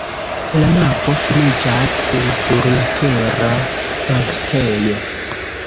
La navo finiĝas kun plurlatera sanktejo.